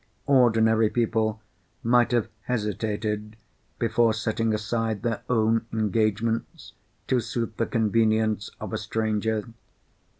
Ordinary people might have hesitated before setting aside their own engagements to suit the convenience of a stranger.